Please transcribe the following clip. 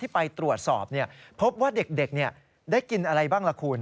ไปตรวจสอบพบว่าเด็กได้กินอะไรบ้างล่ะคุณ